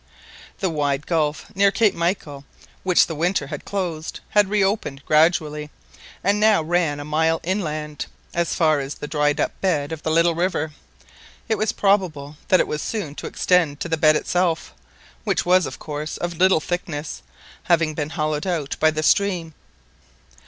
The wide gulf near Cape Michael, which the winter had closed, had reopened gradually, and now ran a mile inland, as far as the dried up bed of the little river. It was probable that it was soon to extend to the bed itself, which was of course of little thickness, having been hollowed out by the stream.